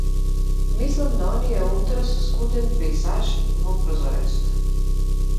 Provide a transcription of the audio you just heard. Мислам на оние утра со скуден пејсаж во прозорецот.